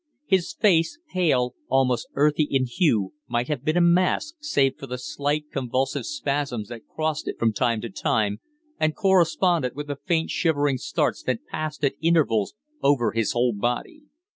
His face, pale, almost earthy in hue, might have been a mask, save for the slight convulsive spasms that crossed it from time to time, and corresponded with the faint, shivering starts that passed at intervals over his whole body.